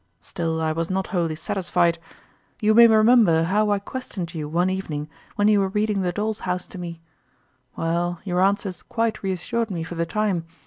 Still, I was not wholly satisfied. You may remember how I questioned you one evening when you were reading the DoWs House to me ; well, your answers quite reassured me for the time.